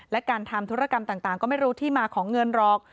และการทำธุรกรรมต่างก็ไม่รู้ที่มาของเงินหรอก